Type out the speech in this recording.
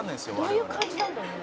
「どういう感じなんだろうね？」